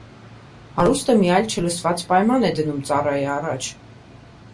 Հարուստը մի այլ չլսված պայման է դնում ծառայի առաջ։